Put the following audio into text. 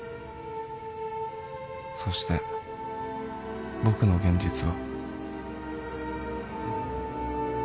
そして僕の現実は